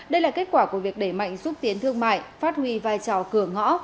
đây là kết quả của việc để mạnh giúp tiến thương mại phát huy vai trò cửa ngõ